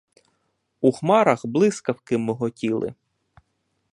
У хмарах блискавки миготіли.